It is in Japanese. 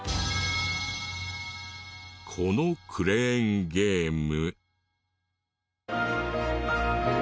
このクレーンゲーム。